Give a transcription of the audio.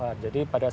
kalau comedan di plans